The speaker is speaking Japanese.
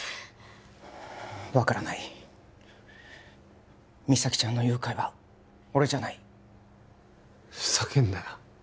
分からない実咲ちゃんの誘拐は俺じゃないふざけんなよ